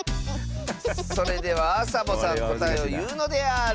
それではサボさんこたえをいうのである！